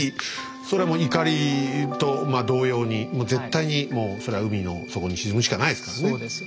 それもいかりと同様に絶対にもうそれは海の底に沈むしかないですからね。